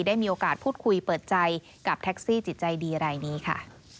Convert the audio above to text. ได้มีโอกาสพูดคุยเปิดใจกับแท็กซี่จิตใจดีรายนี้ค่ะ